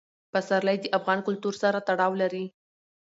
پسرلی د افغان کلتور سره تړاو لري.